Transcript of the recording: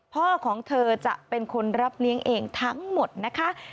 พ่อของเธอจะเป็นคนรับเลี้ยงเองทั้งหมดนะคะ